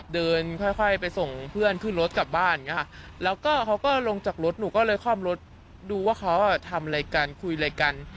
ดูว่าเค้าทำอะไรกันคุยอะไรกัน